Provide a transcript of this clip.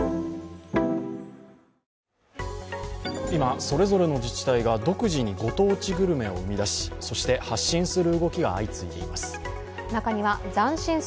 今、それぞれの自治体が独自にご当地グルメを生み出しそして発信する動きが相次いでいます。